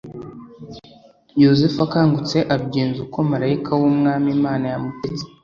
Yosefu akangutse abigenza uko marayika w’Umwami Imana yamutegetse